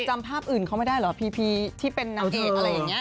จำภาพอื่นเขาไม่ได้เหรอพีพีที่เป็นนางเอกอะไรอย่างนี้